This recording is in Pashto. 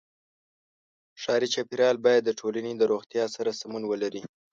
ښاري چاپېریال باید د ټولنې د روغتیا سره سمون ولري.